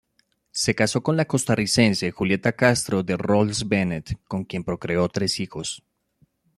Se casó con la costarricense Julieta Castro de Rolz-Bennett, con quien procreó tres hijos.